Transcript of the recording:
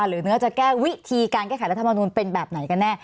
หรือเนื้อจะแก้วิธีการแก้ไขรัฐมนูลเป็นแบบไหนกันแน่